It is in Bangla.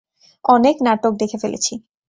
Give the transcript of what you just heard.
অনেক নাটক দেখে ফেলেছি।